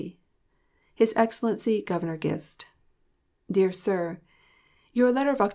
His EXCELLENCY Gov. GIST. DEAR SIR: Your letter of Oct.